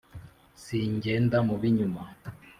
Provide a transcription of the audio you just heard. singenda mu b'inyuma,